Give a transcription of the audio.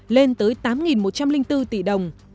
lên tới tám một trăm linh bốn tỷ đồng